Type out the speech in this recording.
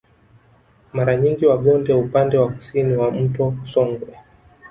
Mara nyingi Wagonde upande wa kusini wa mto Songwe